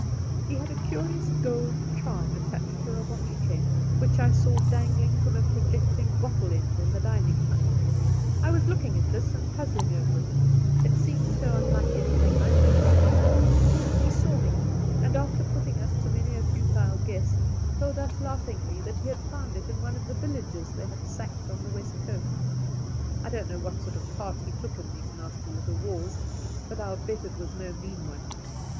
' He had a curious gold charm attached to a watch chain, which I saw dangling from a projecting wattle end in the dining hut. I was looking at this, and puzzled over it ; it seemed so unlike any thing I had ever seen. He saw me, and, after The Outspan 23 putting us to many a futile guess, tol^ us laugh ingly that he had found it in one of the villages they had sacked on the West Coast. I don't know what sort of part he took in these nasty little wars, but I'U bet it was no mean one.